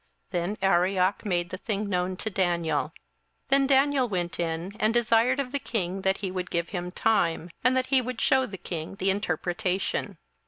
Then Arioch made the thing known to Daniel. 27:002:016 Then Daniel went in, and desired of the king that he would give him time, and that he would shew the king the interpretation.